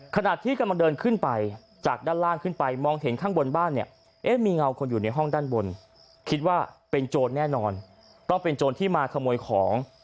ขณะที่กำลังเดินขึ้นไปจากด้านล่างขึ้นไปมองเห็นข้างบนบ้านเนี่ยเอ๊ะมีเงาคนอยู่ในห้องด้านบนคิดว่าเป็นโจรแน่นอนต้องเป็นโจรที่มาขโมยของ